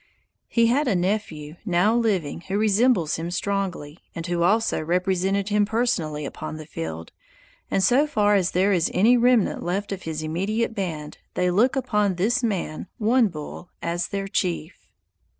He had a nephew, now living, who resembles him strongly, and who also represented him personally upon the field; and so far as there is any remnant left of his immediate band, they look upon this man One Bull as their chief.